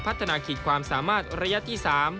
พัฒนาขิตความสามารถระยะที่๓